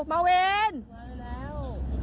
มาวินมาได้แล้ว